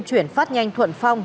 chuyển phát nhanh thuận phong